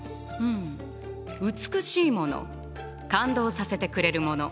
うん美しいもの感動させてくれるもの